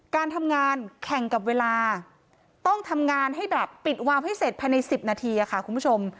การทำงานแข่งกับเวลาต้องทำงานให้แบบปิดวาวให้เสร็จภายใน๑๐นาทีค่ะคุณผู้ชม